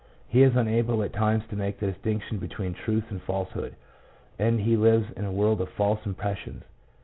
He is unable at times to make the distinction between truth and falsehood, and he lives in a world of false impressions.